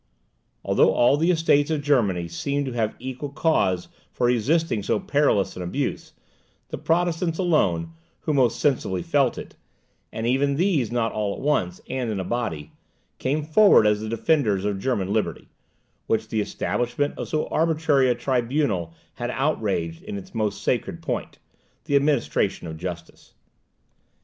Although all the Estates of Germany seemed to have equal cause for resisting so perilous an abuse, the Protestants alone, who most sensibly felt it, and even these not all at once and in a body, came forward as the defenders of German liberty, which the establishment of so arbitrary a tribunal had outraged in its most sacred point, the administration of justice.